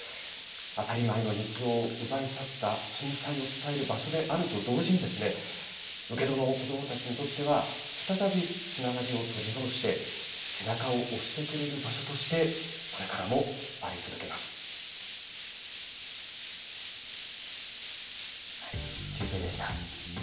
当たり前の日常を奪い去った震災を伝える場所であると同時に、請戸の子どもたちにとっては再びつながりを取り戻して、背中を押してくれる場所として、中継でした。